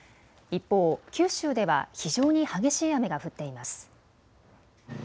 一方、九州では非常に激しい雨が降っています。